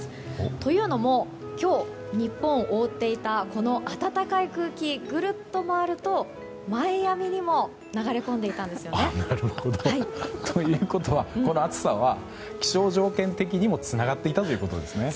というのも今日、日本を覆っていたこの暖かい空気がぐるっと回るとマイアミにも流れ込んでいたんですね。ということは、この暑さは気象条件的にもつながっていたということですね。